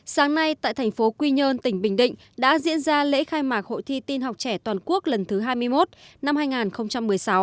sáng nay tại thành phố quy nhơn tỉnh bình định đã diễn ra lễ khai mạc hội thi tin học trẻ toàn quốc lần thứ hai mươi một năm hai nghìn một mươi sáu